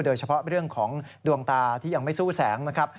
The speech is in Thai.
โดยเฉพาะเรื่องของดวงตาที่ยังไม่สู้แสงนะครับ